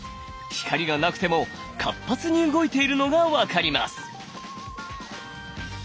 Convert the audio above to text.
光がなくても活発に動いているのが分かります。